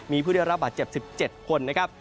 มีผู้ได้รับบาดเจ็บ๑๗คนนะครับ